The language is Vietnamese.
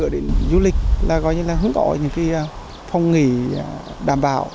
du lịch là hướng tỏ những phong nghị đảm bảo